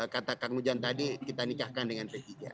kata kang ujang tadi kita nikahkan dengan p tiga